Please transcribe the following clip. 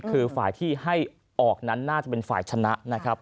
คือฝ่ายที่ให้ออกนั้นน่าจะเป็นฝ่ายชนะนะครับ